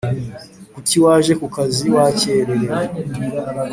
Kuki waje ku kazi wakererewe